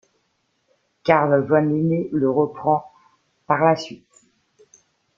Carl von Linné le reprend par la suite.